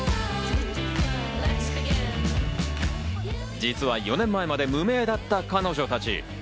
実は、４年前まで無名だった彼女たち。